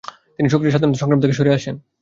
তিনি সক্রিয় স্বাধীনতা সংগ্রাম থেকে সরে আসেন।